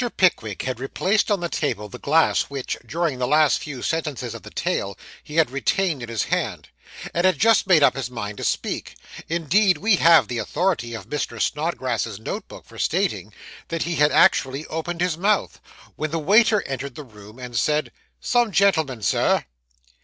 Pickwick had replaced on the table the glass which, during the last few sentences of the tale, he had retained in his hand; and had just made up his mind to speak indeed, we have the authority of Mr. Snodgrass's note book for stating, that he had actually opened his mouth when the waiter entered the room, and said 'Some gentlemen, Sir.